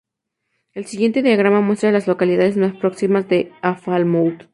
El siguiente diagrama muestra a las localidades más próximas a Falmouth.